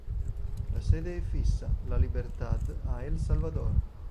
La sede è fissa, La Libertad a El Salvador.